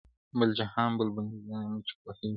بل جهان بل به نظام وي چي پوهېږو -